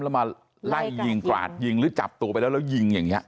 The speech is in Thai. แล้วมาไล่ยิงกราดยิงหรือจับตัวไปแล้วแล้วยิงอย่างนี้